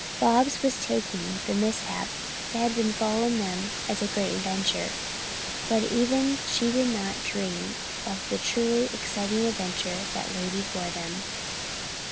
Bobs was taking the mishap that had befallen them as a great adventure, but even she did not dream of the truly exciting adventures that lay before them.